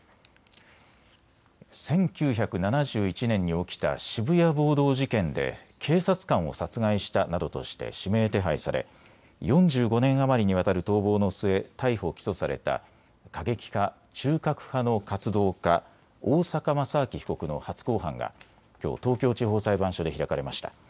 １９７１年に起きた渋谷暴動事件で警察官を殺害したなどとして指名手配され４５年余りにわたる逃亡の末、逮捕・起訴された過激派、中核派の活動家、大坂正明被告の初公判がきょう東京地方裁判所で開かれました。